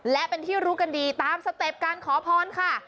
และเป็นที่รู้กันดีตามสเต็ปการขอพรค่ะ